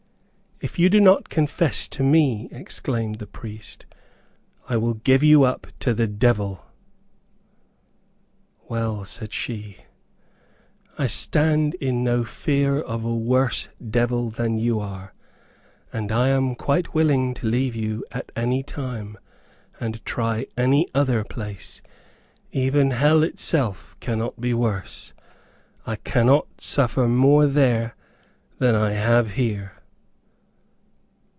"If you do not confess to me," exclaimed the priest, "I will give you up to the devil." "Well," said she, "I stand in no fear of a worse devil than you are, and I am quite willing to leave you at any time, and try any other place; even hell itself cannot be worse. I cannot suffer more there than I have here."